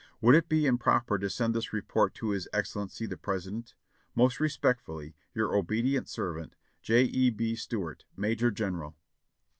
"Would it be improper to send this report to His Excellency the President? "Most respectfully, your obedient servant, "J. E. B. Stuart, "Major General.